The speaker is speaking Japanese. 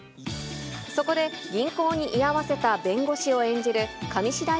そこで、銀行に居合わせた弁護士を演じる上白石